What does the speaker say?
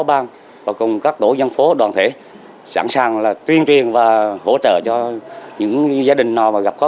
bang và cùng các tổ dân phố đoàn thể sẵn sàng là tuyên truyền và hỗ trợ cho những gia đình nào mà gặp khó